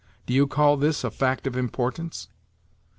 Do you call this a fact of importance?"